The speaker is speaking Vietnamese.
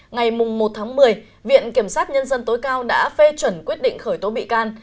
ngày một tháng một mươi viện kiểm sát nhân dân tối cao đã phê chuẩn quyết định khởi tố bị can